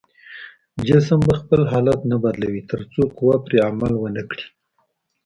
جسم به خپل حالت نه بدلوي تر څو قوه پرې عمل ونه کړي.